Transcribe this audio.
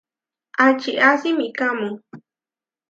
Aʼčía simikámu?